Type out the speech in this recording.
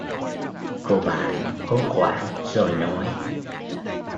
Cô bạn hốt hoảng rồi nói